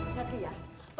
agak cepat gun